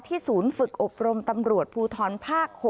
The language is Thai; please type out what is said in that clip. ที่ศูนย์ฝึกอบรมตำรวจภูทลพ๖